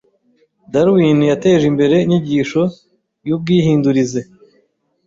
Darwin yateje imbere inyigisho y'ubwihindurize.